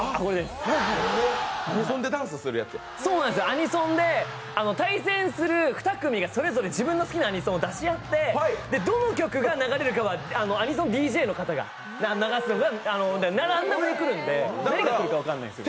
アニソンで対戦する２組がそれぞれ自分の好きなアニソンを出し合ってどの曲が流れるかはアニソンＤＪの方が流すのでだんだん上に来るんでどこで来るか分からないんです。